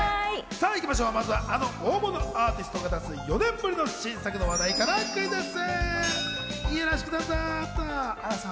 まずはあの大物アーティストが出す４年ぶりの新作の話題からクイズッス！